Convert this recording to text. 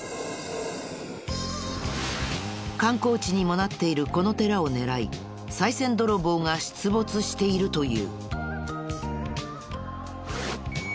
観光地にもなっているこの寺を狙いさい銭泥棒が出没しているという。